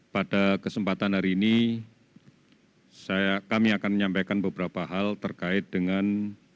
pada kesempatan hari ini kami akan menyampaikan beberapa hal terkait dengan